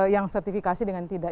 yang sertifikasi dengan tidak